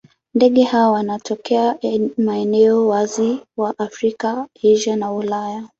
Ndege hawa wanatokea maeneo wazi wa Afrika, Asia na Ulaya.